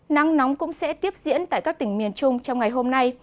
nắng nóng cũng sẽ tiếp diễn tại các tỉnh miền trung trong ngày hôm nay